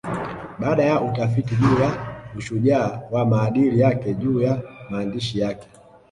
Baada ya utafiti juu ya ushujaa wa maadili yake juu ya maandishi yake